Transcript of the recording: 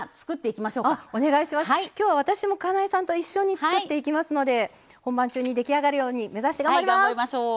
きょうは私もかなえさんと一緒に作っていきますので本番中に出来上がるように目指して頑張ります。